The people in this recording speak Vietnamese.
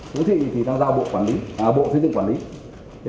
bộ y tế thì đang giao bộ xây dựng quản lý